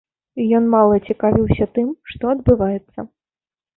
Ён мала цікавіўся тым, што адбываецца.